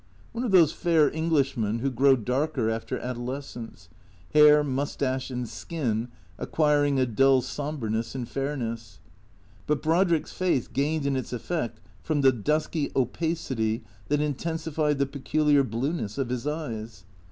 One of those fair Englishmen who grow darker after adolescence; hair, mous tache and skin acquiring a dull sombreness in fairness. But Brodrick's face gained in its effect from the dusky opacity that intensified the peculiar blueness of his eyes.